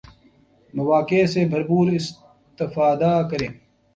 موقع سے بھرپور استفادہ کریں